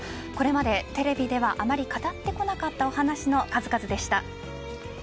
これまでテレビではあまり語ってこなかったお話の数々でした。